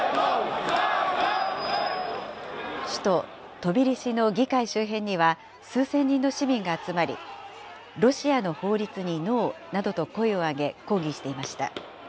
首都トビリシの議会周辺には、数千人の市民が集まり、ロシアの法律にノーなどと声を上げ、抗議していました。